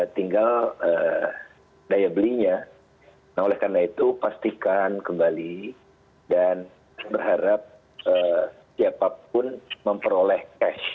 tinggal daya belinya nah oleh karena itu pastikan kembali dan berharap siapapun memperoleh cash